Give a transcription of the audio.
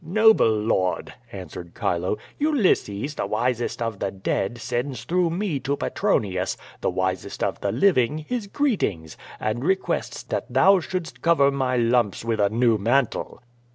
^'fToble lord," answered Chilo, "Ulysses, the wisest of the dead, sends through me to Petronius, the wisest of the living, his greetings, and requests that thou shouldst cover my lumps with a new mantle."